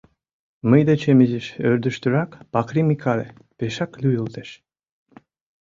Мый дечем изиш ӧрдыжтырак Пакри Микале пешак лӱйылтеш.